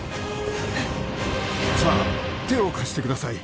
さあ手を貸してください。